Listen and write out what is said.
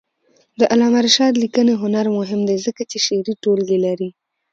د علامه رشاد لیکنی هنر مهم دی ځکه چې شعري ټولګې لري.